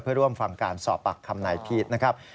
เพื่อร่วมฟังการสอบปากคำนายพีชนะครับ